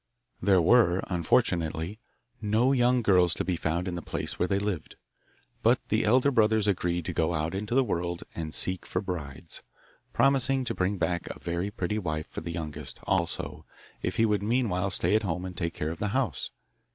There were, unfortunately, no young girls to be found in the place where they lived; but the elder brothers agreed to go out into the world and seek for brides, promising to bring back a very pretty wife for the youngest also if he would meanwhile stay at home and take care of the house.